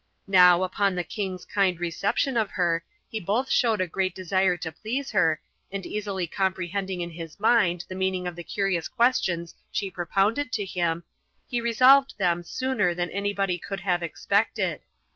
Now, upon the king's kind reception of her, he both showed a great desire to please her, and easily comprehending in his mind the meaning of the curious questions she propounded to him, he resolved them sooner than any body could have expected.